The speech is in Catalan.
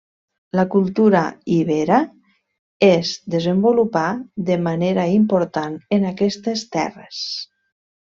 La cultura Ibera es desenvolupà de manera important en aquestes terres.